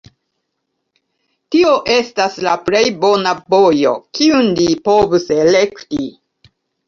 Tio estas la plej bona vojo, kiun li povus elekti.